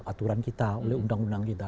aturan kita oleh undang undang kita